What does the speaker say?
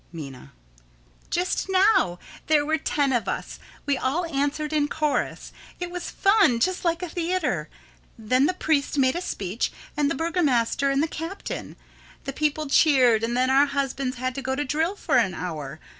Minna: Just now. There were ten of us. We all answered in chorus. It was fun just like a theater. Then the priest made a speech, and the burgomaster and the captain. The people cheered, and then our husbands had to go to drill for an hour.